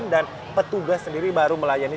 dan petugas sendiri baru melayani